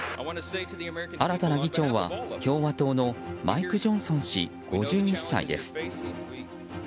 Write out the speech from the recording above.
新たな議長は、共和党のマイク・ジョンソン氏５１歳です。